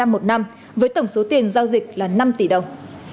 hai mươi tám một năm với tổng số tiền giao dịch là năm tỷ đồng